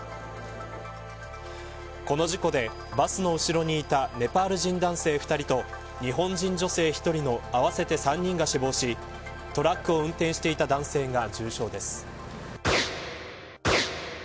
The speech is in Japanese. この事故で、バスの後ろにいたネパール人男性２人と日本人女性１人の合わせて３人が死亡しトラックを運転していた男性が重傷です。